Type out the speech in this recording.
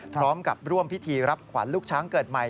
พร้อมกับร่วมพิธีรับขวัญลูกช้างเกิดใหม่